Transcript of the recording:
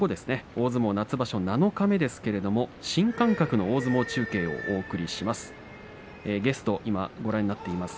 大相撲夏場所七日目ですけれども新感覚の大相撲中継をお送りします。